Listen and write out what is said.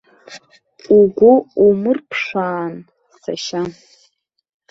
Угәы умырԥшаан, сашьа.